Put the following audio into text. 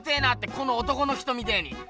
この男の人みてえに。